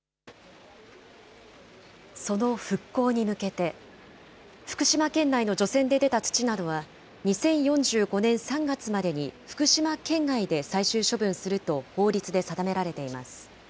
その復興に向けて、福島県内の除染で出た土などは、２０４５年３月までに福島県外で最終処分すると、法律で定められています。